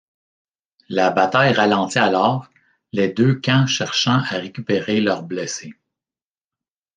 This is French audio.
La bataille ralentit alors, les deux camps cherchant à récupérer leurs blessés.